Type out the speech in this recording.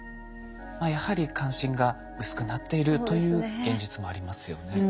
やはり関心が薄くなっているという現実もありますよね。